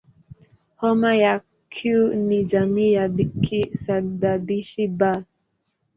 Homa ya Q ni jamii ya kisababishi "B".